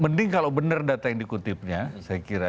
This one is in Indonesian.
mending kalau benar data yang dikutipnya saya kira